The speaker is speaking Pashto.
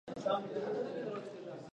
کوچني خوښۍ د ورځني ژوند فشار کموي.